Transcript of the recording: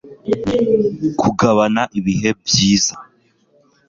kugabana ibihe byiza